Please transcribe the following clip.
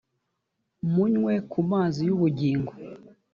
munywe ku mazi y’ubugingo